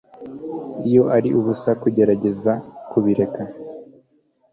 iyo ari ubusa kugerageza kubireka